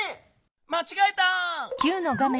まちがえた！